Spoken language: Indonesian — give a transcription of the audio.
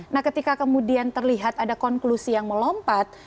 nah ketika kemudian terlihat ada konklusi yang melompat